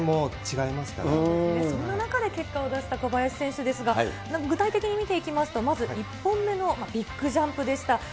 そんな中で結果を出した小林選手ですが、具体的に見ていきますと、まず１本目のビッグジャンプでした。